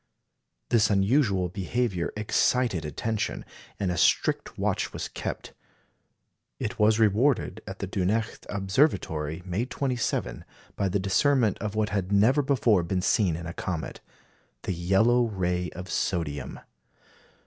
This unusual behaviour excited attention, and a strict watch was kept. It was rewarded at the Dunecht Observatory, May 27, by the discernment of what had never before been seen in a comet the yellow ray of sodium.